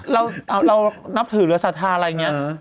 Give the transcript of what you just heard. เรานับถือหรือศรัทธาอะไรอย่างนี้